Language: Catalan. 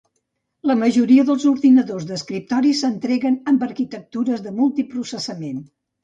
La majoria dels ordinadors d'escriptori s'entreguen amb arquitectures de multiprocessament.